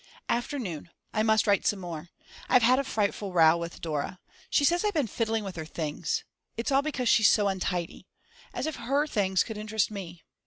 Afternoon. I must write some more. I've had a frightful row with Dora. She says I've been fiddling with her things. It's all because she's so untidy. As if her things could interest me.